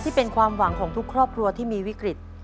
ที่เป็นความหวังของทุกครอบครัวที่มีวิกฤต